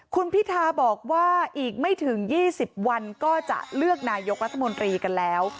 คุณพิทาบอกว่าอีกไม่ถึง๒๐วันก็จะเลือกนายกรัฐมนตรีกันแล้ว